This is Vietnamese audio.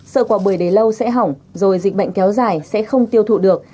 sợ quả bưởi đến lâu sẽ hỏng rồi dịch bệnh kéo dài sẽ không tiêu thụ được